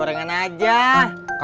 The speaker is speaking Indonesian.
itu kemana jack